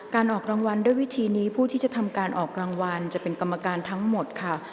ออกรางวัลด้วยวิธีนี้ผู้ที่จะทำการออกรางวัลจะเป็นกรรมการทั้งหมดค่ะ